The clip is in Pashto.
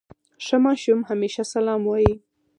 ښه ماشوم همېشه سلام وايي.